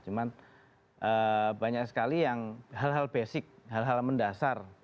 cuma banyak sekali yang hal hal basic hal hal mendasar